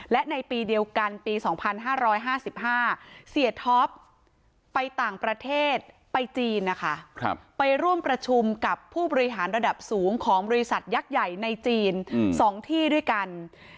และในปีเดียวกันปี๒๕๕๕เสียท็อปไปต่างประเทศไปจีนนะคะไปร่วมประชุมกับผู้บริหารระดับสูงของบริษัทยักษ์ใหญ่ในจีน๒ที่ด้วยกัน